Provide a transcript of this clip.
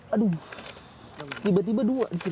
aduh tiba tiba dua di sini